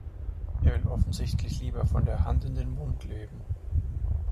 Er will offensichtlich lieber von der Hand in den Mund leben.